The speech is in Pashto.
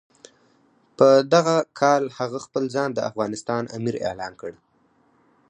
په دغه کال هغه خپل ځان د افغانستان امیر اعلان کړ.